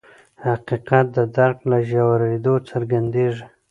حقیقت د درک له ژورېدو څرګندېږي.